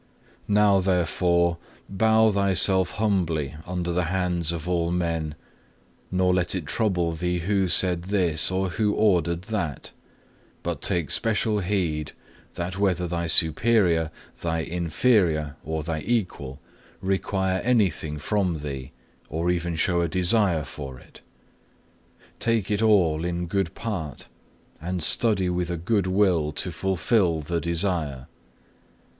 7. "Now therefore bow thyself humbly under the hands of all men; nor let it trouble thee who said this or who ordered that; but take special heed that whether thy superior, thy inferior, or thy equal, require anything from thee, or even show a desire for it; take it all in good part, and study with a good will to fulfil the desire.